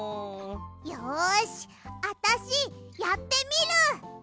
よしあたしやってみる！